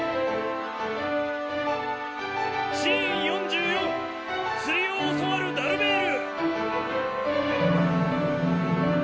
シーン４４つりをおそわるダルベール。